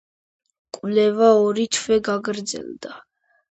კვლევა ორი თვე გაგრძელდა.